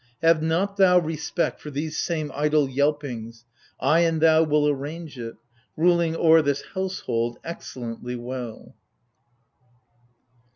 Have not thou respect for these same idle yelpings ! I and thou Will arrange it, ruling o'er this household excellently well.